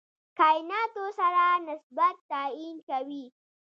کایناتو سره نسبت تعیین کوي.